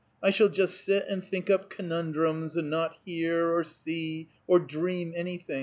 I shall just sit and think up conundrums, and not hear, or see, or dream anything.